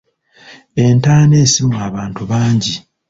Entaana esimwa abantu bangi